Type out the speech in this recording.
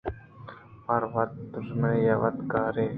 پر وت دژمنے وت کارے